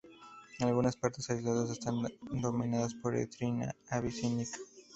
Algunas partes aisladas están dominadas por "Erythrina abyssinica".